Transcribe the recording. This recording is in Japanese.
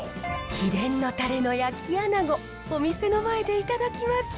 秘伝のタレの焼きアナゴお店の前でいただきます。